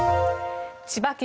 千葉県